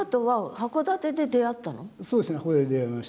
函館で出会いました。